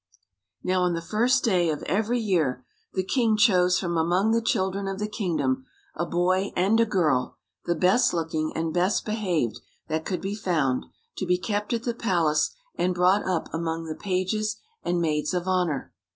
Now on the first day of every year the king chose from among the children of the kingdom a boy and a girl, the best looking and best behaved that could be found, to be kept at the palace and brought up among the pages and maids of honor.